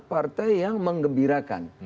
partai yang mengembirakan